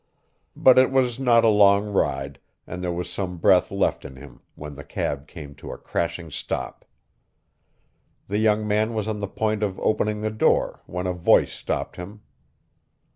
But it was not a long ride and there was some breath left in him when the cab came to a crashing stop. The young man was on the point of opening the door when a voice stopped him.